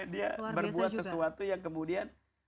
dia berbuat sesuatu yang kemudian